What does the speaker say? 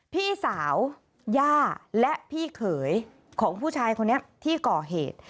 พี่สาวย่าและพี่เขยของผู้ชายคนนี้ที่ก่อเหตุ